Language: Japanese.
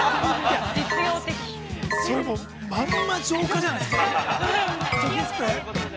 ◆それ、まんま浄化じゃないですか。